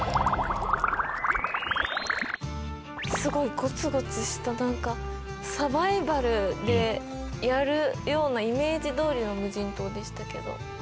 すごいゴツゴツした何かサバイバルでやるようなイメージどおりの無人島でしたけど。